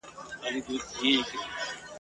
وئېل ئې چې ناياب نۀ دی خو ډېر ئې پۀ ارمان دي !.